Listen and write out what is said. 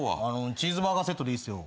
チーズバーガーセットでいいっすよ。